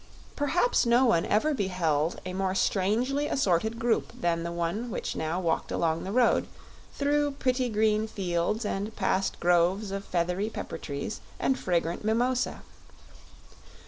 Perhaps no one ever beheld a more strangely assorted group than the one which now walked along the road, through pretty green fields and past groves of feathery pepper trees and fragrant mimosa.